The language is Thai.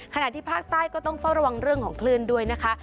ขณะที่ภาคใต้ก็ต้องเฝ้าระวังเรื่องของคลื่นด้วยนะคะ